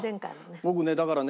僕ねだからね